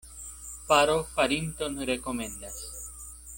Faro farinton rekomendas.